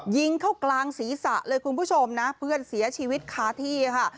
ยิงเข้ากลางศีรษะเลยคุณผู้ชมนะเพื่อนเสียชีวิตคาที่ค่ะ